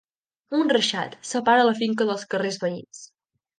Un reixat separa la finca dels carrers veïns.